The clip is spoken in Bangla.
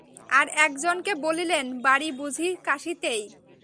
আর একজন কে বলিলেন-বাড়ি বুঝি কাশীতেই?